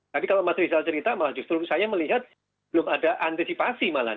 tapi kalau material cerita malah justru saya melihat belum ada antisipasi malahan